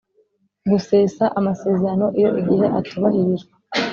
gusesa amasezerano iyo igihe atubahirijwe